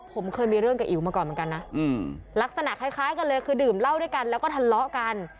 ผมเคยมีเรื่องกับอิ๋วมาก่อนเหมือนกันนะลักษณะคล้ายกันเลยคือดื่มเหล้าด้วยกันแล้วก็ทะเลาะกัน